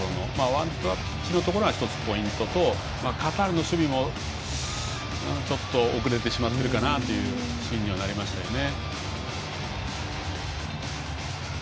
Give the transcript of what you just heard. ワンタッチのところが１つ、ポイントとカタールの守備も遅れてしまってるかなというシーンにはなりましたね。